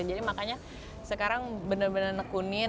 jadi makanya sekarang bener bener nekunin